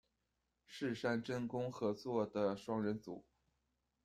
室山真弓合作的双人组。